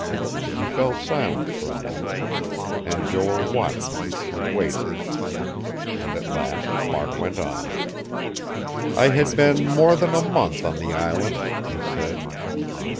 He fell silent for a moment, and Joel watched him, and waited. And at last, Mark went on. "I had been more than a month on the island," he said.